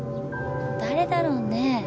誰だろうね。